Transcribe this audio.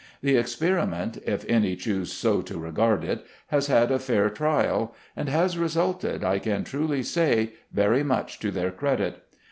The experi ment — if any choose so to regard it — has had a fair trial, and has resulted, I can truly say, very much to their credit.